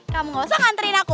kamu gak usah nganterin aku